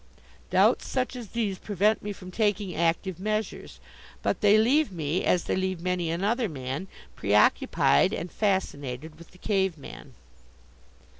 Doubts such as these prevent me from taking active measures. But they leave me, as they leave many another man, preoccupied and fascinated with the cave man.